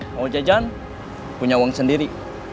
mau jajan punya uang sendiri